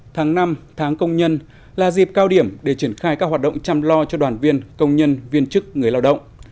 tháng năm tháng công nhân là dịp cao điểm để triển khai các hoạt động chăm lo cho đoàn viên công nhân viên chức người lao động